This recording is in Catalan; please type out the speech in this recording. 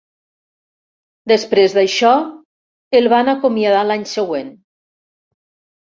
Després d'això, el van acomiadar l'any següent.